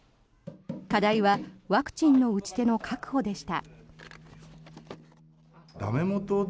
課題はワクチンの打ち手の確保でした。